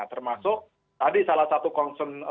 termasuk tadi salah satu concern